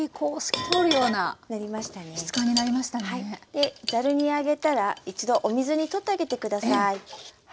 でざるに上げたら一度お水にとっといて下さい。